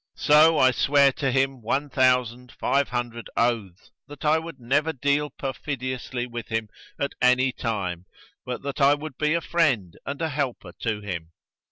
So I sware to him one thousand five hundred oaths that I would never deal perfidiously with him at any time, but that I would be a friend and a helper to him.